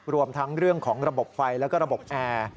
รวมทั้งเรื่องของระบบไฟแล้วก็ระบบแอร์